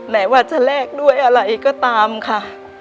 แม้ว่าจะแลกด้วยอะไรก็ตามค่ะ